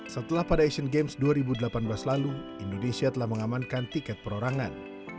setelah pada asian games dua ribu delapan belas lalu indonesia telah mengamankan tiket perorangan